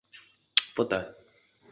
醮期由一日一夜至五日六夜不等。